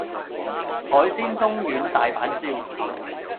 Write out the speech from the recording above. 海鮮鬆軟大阪燒